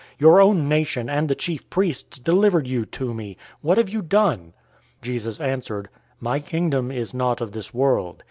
Your own nation and the chief priests delivered you to me. What have you done?" 018:036 Jesus answered, "My Kingdom is not of this world.